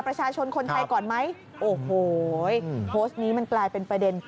ประชาชนคนไทยก่อนไหมโอ้โหโพสต์นี้มันกลายเป็นประเด็น